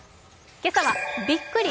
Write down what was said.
今朝は「びっくり！